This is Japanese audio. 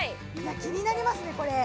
気になりますね、これ。